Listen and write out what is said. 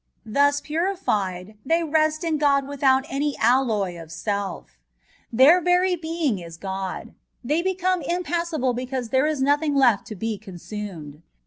Thus purified, they rest in God with out any alloy of self; their very being is God; they become impassible because there is nothing lefb to be consumed.